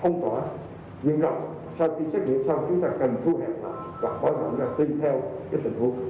không tỏa nhưng rồi sau khi xét nghiệm xong chúng ta cần thu hẹp hoặc bói mỏng ra tìm theo cái tình huống